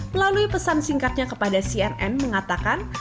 melalui pesan singkatnya kepada cnn mengatakan